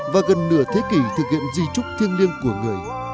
và gần nửa thế kỷ thực hiện di trúc thiêng liêng của người